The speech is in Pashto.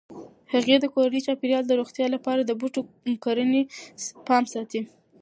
هغې د کورني چاپیریال د روغتیا لپاره د بوټو کرنې پام ساتي.